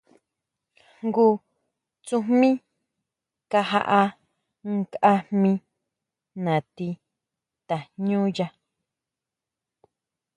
Jngu tsujmí kajaʼá nkʼa jmí nati tajñúya.